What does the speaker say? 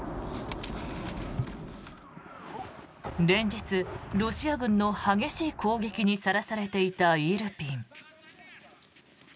連日、ロシア軍の激しい攻撃にさらされていたイルピン。